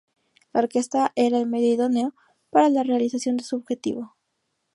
La orquesta era el medio idóneo para la realización de su objetivo.